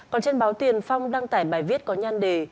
còn trên báo tiền phong đăng tải bài viết có nhan đề